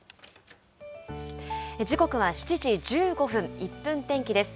時刻は７時１５分、１分天気です。